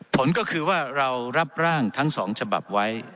ผลก็คือว่าเรารับร่างทั้ง๒ฉบับไว้